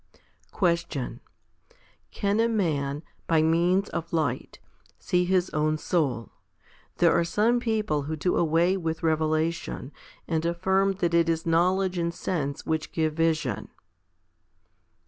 5. Question. Can a man, by means of light, see his own soul ? There are some people who do away with revelation, and affirm that it is knowledge and sense which give vision.